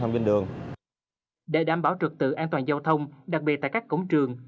để đảm bảo trực tự an toàn giao thông đặc biệt tại các cổng trường